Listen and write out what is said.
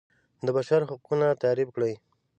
د بشر حقونه تعریف کړي.